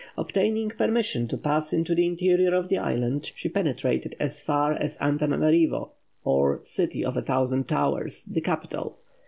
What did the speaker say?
Obtaining permission to pass into the interior of the island, she penetrated as far as Antananarivo, or "City of a Thousand Towers," the capital.